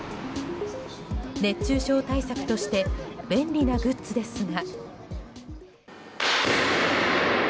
熱中症対策として便利なグッズですが。